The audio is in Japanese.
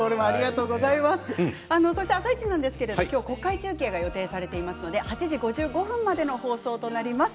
「あさイチ」なんですが今日国会中継が予定されていますので８時５５分までの放送となります。